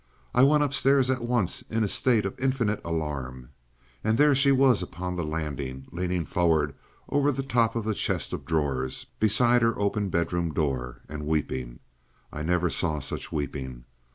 I went upstairs at once in a state of infinite alarm, and there she was upon the landing, leaning forward over the top of the chest of drawers beside her open bedroom door, and weeping. I never saw such weeping.